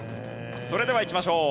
それではいきましょう。